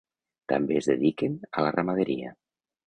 També es dediquen a la ramaderia.